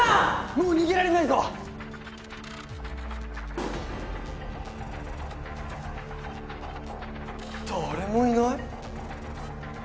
もう逃げられないぞ誰もいない？